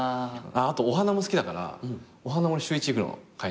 あとお花も好きだからお花も週１行くの買いに。